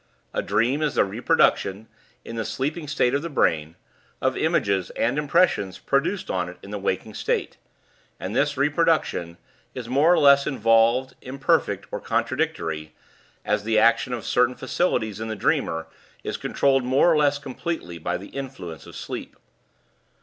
A dream is the reproduction, in the sleeping state of the brain, of images and impressions produced on it in the waking state; and this reproduction is more or less involved, imperfect, or contradictory, as the action of certain faculties in the dreamer is controlled more or less completely by the influence of sleep.